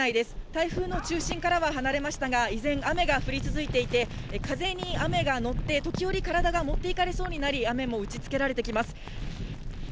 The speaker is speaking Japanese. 台風の中心からは離れましたが、依然、雨が降り続いていて、風に雨が乗って、時折、体が持っていかれそうになり、雨も打ちつけられてきます。